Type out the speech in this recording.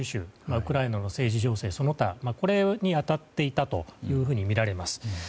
ウクライナの政治情勢、その他に当たっていたとみられます。